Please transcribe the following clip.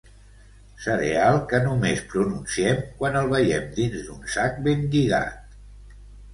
Cereal que només pronunciem quan el veiem dins d'un sac ben lligat.